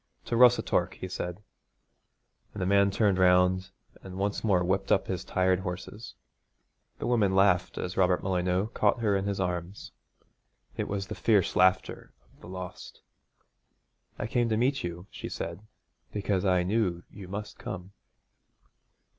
'To Rossatorc,' he said, and the man turned round and once more whipped up his tired horses. The woman laughed as Robert Molyneux caught her in his arms. It was the fierce laughter of the lost. 'I came to meet you,' she said, 'because I knew you must come.'